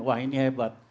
wah ini hebat